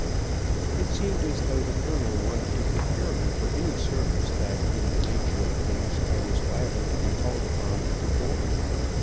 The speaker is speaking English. It seemed as though the colonel wanted to prepare me for any service that in the nature of things I was liable to be called upon to perform.